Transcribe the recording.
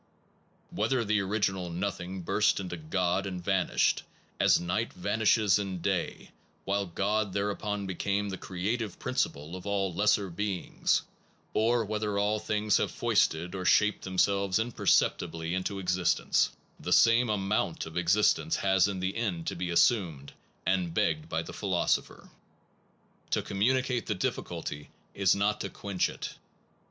Whether the original nothing burst into God and vanished, as night vanishes in day, while God thereupon became the creative principle of all lesser beings; or whether all things have foisted or shaped themselves im 44 THE PROBLEM OF BEING perceptibly into existence, the same amount of existence has in the end to be assumed The same and begged by the philosopher. To amount of .,,.~,, existence comminute the dimculty is not to b quench it.